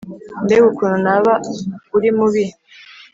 mbega ukuntu naba urimubi